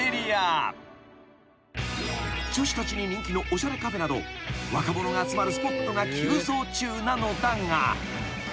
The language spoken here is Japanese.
［女子たちに人気のおしゃれカフェなど若者が集まるスポットが急増中なのだが］